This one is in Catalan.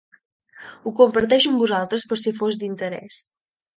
Ho comparteixo amb vosaltres per si fos d'interès.